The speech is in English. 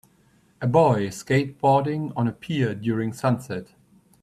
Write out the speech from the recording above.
A boy skateboarding on a pier during sunset.